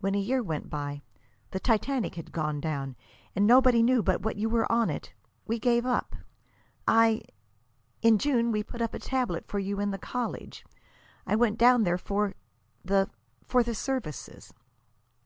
When a year went by the Titanic had gone down, and nobody knew but what you were on it we gave up. I in June we put up a tablet for you at the college. I went down for the for the services."